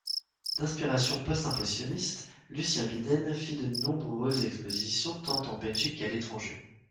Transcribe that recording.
D'inspiration postimpressionniste, Lucien Bidaine fit de nombreuses expositions tant en Belgique qu'à l'étranger.